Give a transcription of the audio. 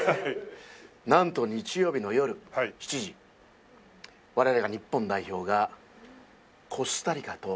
なんと日曜日の夜７時我らが日本代表がコスタリカと。